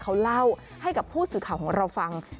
เขาเล่าให้กับผู้สื่อข่าวของเราฟัง